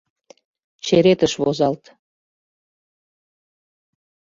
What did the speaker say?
— Черетыш возалт.